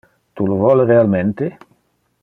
Tu lo vole realmente?